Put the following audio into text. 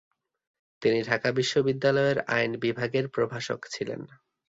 তিনি ঢাকা বিশ্ববিদ্যালয়ের আইন বিভাগের প্রভাষক ছিলেন।